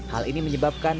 hal ini menyebabkan